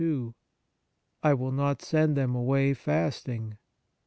.t I will not send them away fasting.